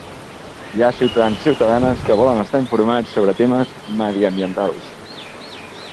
Hi ha ciutadans i ciutadanes que volen estar informats sobre temes mediambientals.